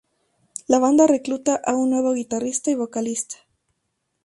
La banda recluta a un nuevo guitarrista y vocalista.